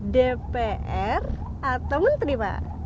dpr atau menteri pak